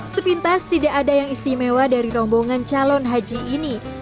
sepintas tidak ada yang istimewa dari rombongan calon haji ini